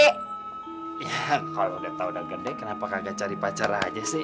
iya kalau udah tau dan gede kenapa kagak cari pacar aja sih